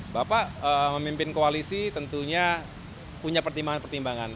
bapak memimpin koalisi tentunya punya pertimbangan pertimbangan